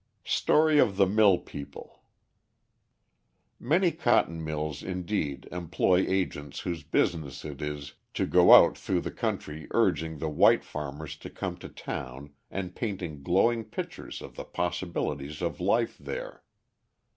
Story of the Mill People Many cotton mills, indeed, employ agents whose business it is to go out through the country urging the white farmers to come to town and painting glowing pictures of the possibilities of life there.